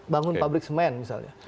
bangun pabrik semen misalnya